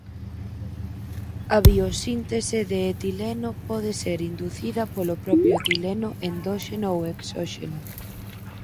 A biosíntese de etileno pode ser inducida polo propio etileno endóxeno ou exóxeno.